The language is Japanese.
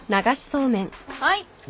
はい。